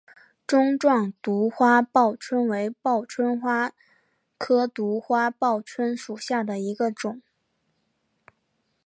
钟状独花报春为报春花科独花报春属下的一个种。